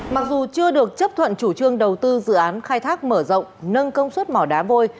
mặc dù chưa được chấp thuận chủ trương đầu tư dự án khai thác mở rộng nâng công suất mỏ đá vôi